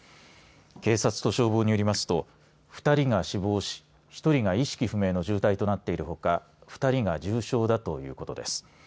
警察と消防によりますと２人が死亡し１人が意識不明の重体となっているほか２人が重傷だということです。